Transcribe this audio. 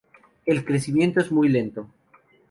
El crecimiento es muy lento.